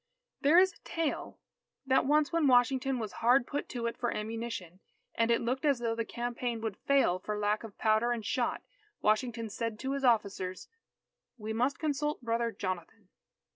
There is a tale, that once when Washington was hard put to it for ammunition, and it looked as though the campaign would fail for lack of powder and shot, Washington said to his officers, "We must consult Brother Jonathan."